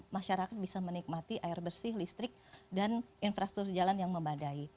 masyarakat bisa menikmati air bersih listrik dan infrastruktur jalan yang membadai